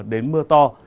đến mưa to